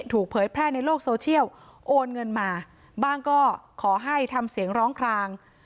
เผยแพร่ในโลกโซเชียลโอนเงินมาบ้างก็ขอให้ทำเสียงร้องคลาง